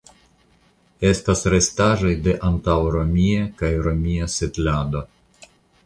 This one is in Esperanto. Estas restaĵoj de antaŭromia kaj romia setlado.